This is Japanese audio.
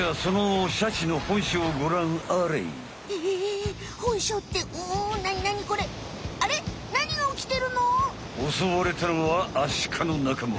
おそわれたのはアシカのなかま。